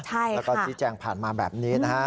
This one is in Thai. แล้วก็ชี้แจงผ่านมาแบบนี้นะฮะ